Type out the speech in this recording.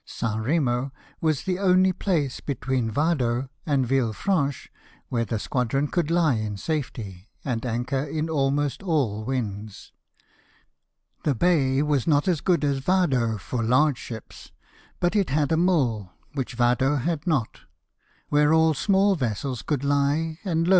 St. Eemo was the only place between Yado and Ville Franche ^vhere the squadron could he in safety, and anchor in almost all winds. The bay was not as good as Vado for large ships ; but it had a mole, which Vado had not, where all small vessels could he, and loa.